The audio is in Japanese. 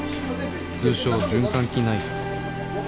通称循環器内科